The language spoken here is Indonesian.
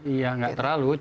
iya tidak terlalu